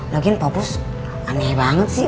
lagian popo aneh banget sih